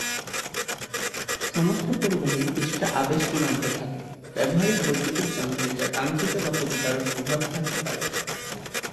সমস্ত পরিবাহীর কিছুটা আবেশ গুণাঙ্ক থাকে, ব্যবহারিক বৈদ্যুতিক যন্ত্রে যার কাঙ্ক্ষিত বা ক্ষতিকারক প্রভাব থাকতে পারে।